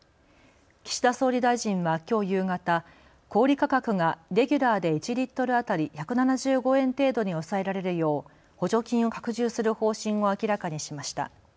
岸田総理大臣はきょう夕方、小売価格がレギュラーで１リットル当たり１７５円程度に抑えられるよう補助金を拡充する方針を明らかにしました。